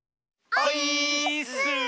オイーッス！